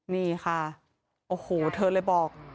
นี่ค่ะโอ้โหเธอเลยบอก